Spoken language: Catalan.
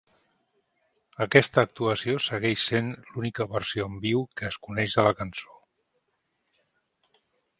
Aquesta actuació segueix sent l'única versió en viu que es coneix de la cançó.